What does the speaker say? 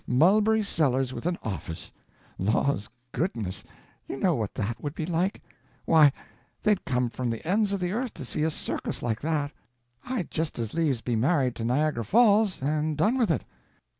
Mulberry Sellers with an office! laws goodness, you know what that would be like. Why, they'd come from the ends of the earth to see a circus like that. I'd just as lieves be married to Niagara Falls, and done with it."